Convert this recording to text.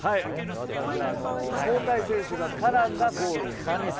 私は交代選手が絡んだゴール。